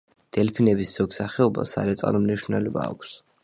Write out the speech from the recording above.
დელფინების ზოგ სახეობას სარეწაო მნიშვნელობა აქვს.